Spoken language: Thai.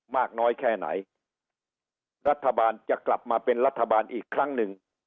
มากน้อยแค่ไหนรัฐบาลจะกลับมาเป็นรัฐบาลอีกครั้งหนึ่ง